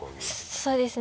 そうですね。